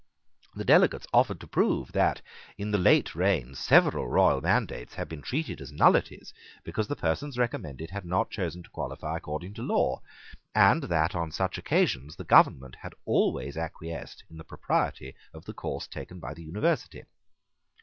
The delegates offered to prove that, in the late reign, several royal mandates had been treated as nullities because the persons recommended had not chosen to qualify according to law, and that, on such occasions, the government had always acquiesced in the propriety of the course taken by the University.